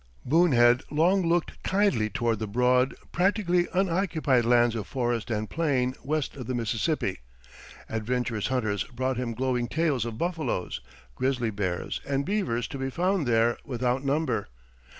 Boone had long looked kindly toward the broad, practically unoccupied lands of forest and plain west of the Mississippi. Adventurous hunters brought him glowing tales of buffaloes, grizzly bears, and beavers to be found there without number.